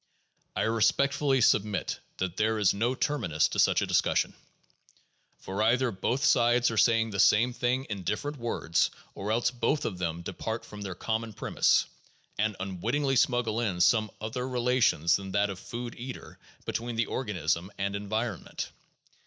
I respectfully submit that there is no terminus to such a discus sion. For either both sides are saying the same thing in different words, or else both of them depart from their common premise, and unwittingly smuggle in some other relations than that of food eater between the organism and environment.